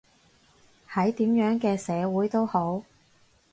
喺點樣嘅社會都好